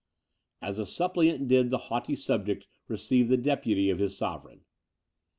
As a suppliant did the haughty subject receive the deputy of his sovereign.